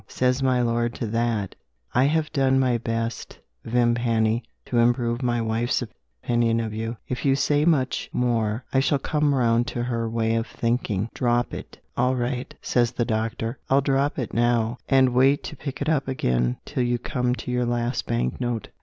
Says my lord to that: "I have done my best, Vimpany, to improve my wife's opinion of you. If you say much more, I shall come round to her way of thinking. Drop it!" "All right," says the doctor, "I'll drop it now, and wait to pick it up again till you come to your last bank note."